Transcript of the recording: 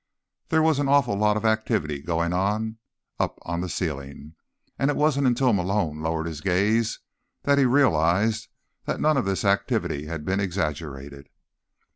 There was an awful lot of activity going on up on the ceiling, and it wasn't until Malone lowered his gaze that he realized that none of this activity had been exaggerated.